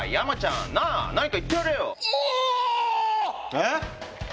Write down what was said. えっ。